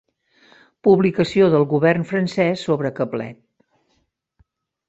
Publicació del Govern francès sobre Caplet.